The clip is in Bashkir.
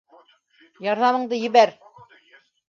Ярҙамыңды ебәр!